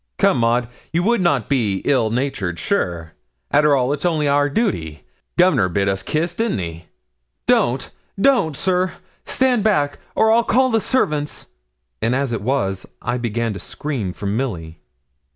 'Come, Maud, you would not be ill natured, sure? Arter all, it's only our duty. Governor bid us kiss, didn't he?' 'Don't don't, sir. Stand back, or I'll call the servants.' And as it was I began to scream for Milly.